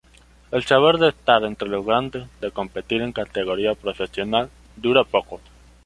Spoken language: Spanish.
El sabor de estar entre los grandes, de competir en categoría profesional, duró poco.